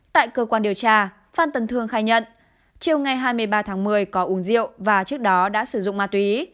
tại cơ quan điều tra phan tần thương khai nhận chiều ngày hai mươi ba tháng một mươi có uống rượu và trước đó đã sử dụng ma túy